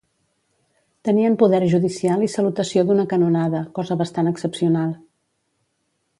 Tenien poder judicial i salutació d'una canonada, cosa bastant excepcional.